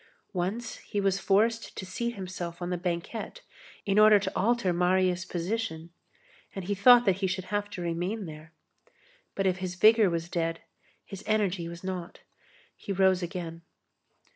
Once he was forced to seat himself on the banquette in order to alter Marius' position, and he thought that he should have to remain there. But if his vigor was dead, his energy was not. He rose again.